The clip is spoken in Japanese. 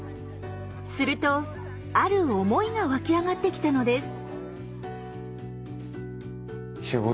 するとある思いが湧き上がってきたのです。